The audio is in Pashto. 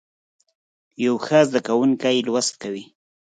یو ښه زده کوونکی لوست کوي.